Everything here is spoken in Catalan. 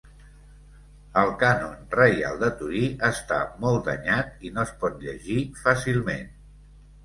El cànon reial de Torí està molt danyat i no es pot llegir fàcilment.